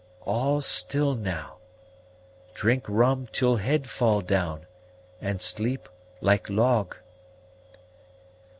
all still now drink rum till head fall down, and sleep like log."